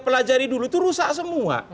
pelajari dulu itu rusak semua